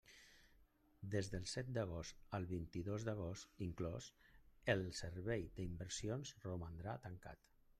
Des del set d'agost al vint-i-dos d'agost inclòs el Servei d'Inversions romandrà tancat.